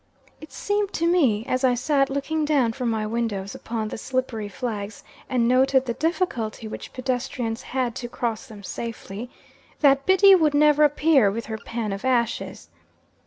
It seemed to me, as I sat looking down from my windows upon the slippery flags, and noted the difficulty which pedestrians had to cross them safely, that Biddy would never appear with her pan of ashes.